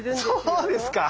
そうですか？